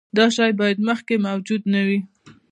دا شی باید مخکې موجود نه وي.